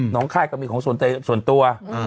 ค่ายก็มีของส่วนตัว